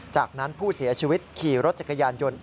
จากนั้นผู้เสียชีวิตขี่รถจักรยานยนต์